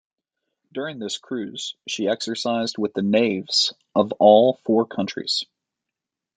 During this cruise she exercised with the navies of all four countries.